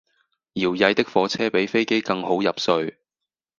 搖曳的火車比飛機更好入睡